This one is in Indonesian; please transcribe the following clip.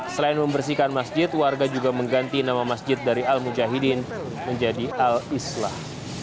selain membersihkan masjid warga juga mengganti nama masjid dari al mujahidin menjadi al islah